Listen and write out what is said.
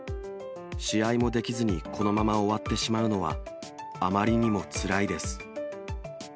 試合もできずにこのまま終わってしまうのは、あまりにもつらいです。